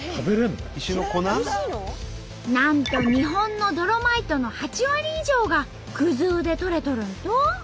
なんと日本のドロマイトの８割以上が生で採れとるんと！